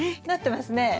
なってますね。